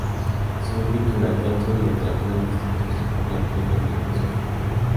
Estudió pintura, teatro y literatura en distintos planteles de educación superior.